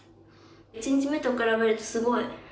１日目と比べるとすごいん。